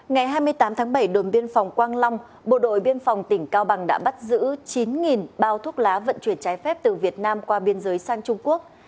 ngày hai mươi tám tháng bảy đồn biên phòng quang long bộ đội biên phòng tỉnh cao bằng đã bắt giữ chín bao thuốc lá vận chuyển trái phép từ việt nam qua biên giới sang trung quốc